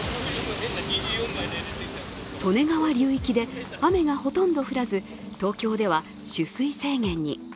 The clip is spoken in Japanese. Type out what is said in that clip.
利根川流域で雨がほとんど降らず、東京では取水制限に。